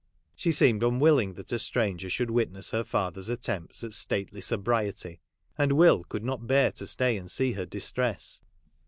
She seemed unwilling that a stranger should witness her father's attempts at stately sobriety, and Will could not bear to stay and see her distress.